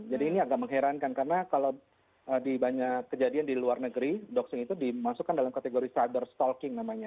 jadi ini agak mengherankan karena kalau banyak kejadian di luar negeri doxing itu dimasukkan dalam kategori cyberstalking namanya